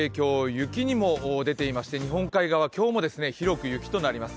雪にも出ていまして日本海側今日も広く寒くなります。